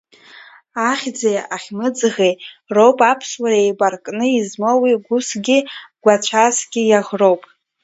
Ахьӡи ахьмыӡӷи роуп Аԥсуара еибаркны измоу уи гәысгьы, гәаҵәасгьы иаӷроуп.